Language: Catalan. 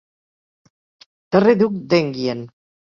Darrer duc d'Enghien.